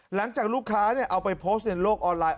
หลังจากลูกค้าเอาไปโพสต์ในโลกออนไลน์